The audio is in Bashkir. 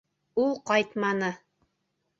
Ул ҡайтманы.